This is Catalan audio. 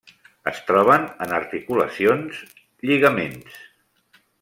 Es troben en articulacions, lligaments.